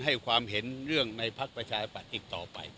ให้ความเห็นเรื่องในพักประชาธิปัตย์อีกต่อไป